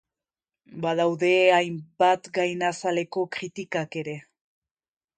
Badaude hainbat gainazaleko kritikak ere.